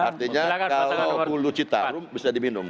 artinya kalau hulu citarum bisa diminum